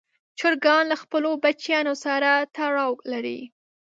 چرګان له خپلو بچیانو سره تړاو لري.